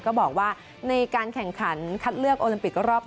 ก็บอกว่าในการแข่งขันคัดเลือกโอลิมปิกรอบ